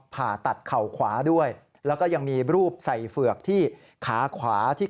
ผ่าตัดเข่าขวาด้วยแล้วก็ยังมีรูปใส่เฝือกที่ขาขวาที่